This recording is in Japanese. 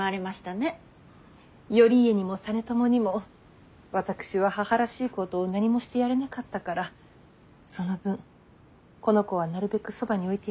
頼家にも実朝にも私は母らしいことを何もしてやれなかったからその分この子はなるべくそばに置いてやりたいの。